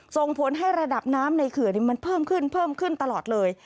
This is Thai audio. ส่งผลให้ระดับน้ำในเขือนมันเพิ่มขึ้นตลอดเลย